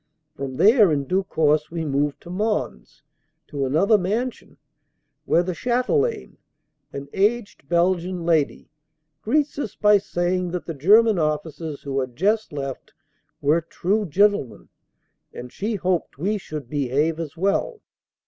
From there in due course we move to Mons, to another mansion, where the Chatelaine, an aged Belgian lady, greets us by saying that the German officers who had just left were true gentlemen and she hoped we should behave as well!